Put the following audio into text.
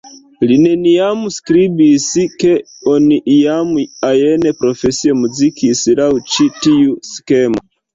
Li neniam skribis, ke oni iam ajn profesie muzikis laŭ ĉi tiu skemo.